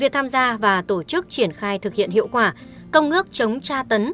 việc tham gia và tổ chức triển khai thực hiện hiệu quả công ước chống tra tấn